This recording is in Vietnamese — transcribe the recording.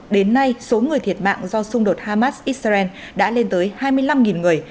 đến nay số người thiệt mạng do xung đột hamas israel đã lên tới hai mươi năm người